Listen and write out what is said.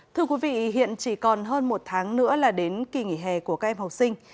thưa quý vị hiện chỉ còn hơn một tháng nữa là đến kỳ nghỉ hè của các em học sinh